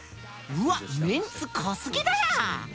うわっメンツ濃すぎだな！